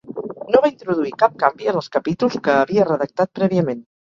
No va introduir cap canvi en els capítols que havia redactat prèviament.